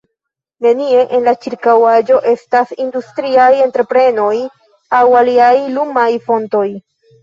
Nenie en la ĉirkaŭaĵo estas industriaj entreprenoj aŭ aliaj lumaj fontoj.